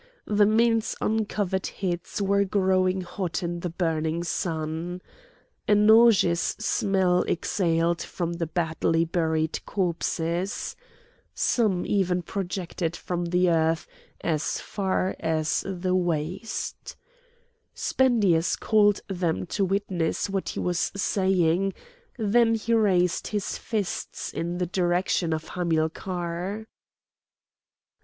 The men's uncovered heads were growing hot in the burning sun. A nauseous smell exhaled from the badly buried corpses. Some even projected from the earth as far as the waist. Spendius called them to witness what he was saying; then he raised his fists in the direction of Hamilcar.